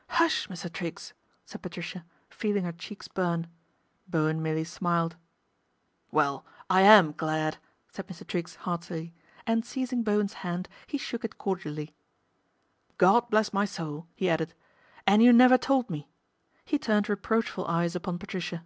" Hush ! Mr. Triggs," said Patricia, feeling her cheeks burn. Bowen merely smiled. " Well I am glad," said Mr. Triggs heartily, and seizing Bowen's hand he shook it cordially. " God bless my soul !" he added, " and you never told me." He turned reproachful eyes upon Patricia.